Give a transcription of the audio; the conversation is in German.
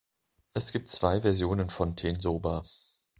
Es gibt zwei Versionen von Tensoba.